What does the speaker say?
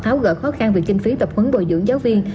tháo gỡ khó khăn về kinh phí tập huấn bồi dưỡng giáo viên